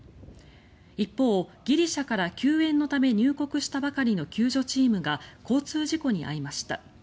一方、ギリシャから救援のため入国したばかりの救助チームが交通事故に遭いました。